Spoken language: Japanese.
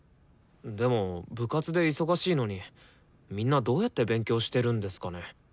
でも部活で忙しいのにみんなどうやって勉強してるんですかね？